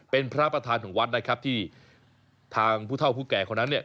เป็นพระประธานของวัดนะครับที่ทางผู้เท่าผู้แก่คนนั้นเนี่ย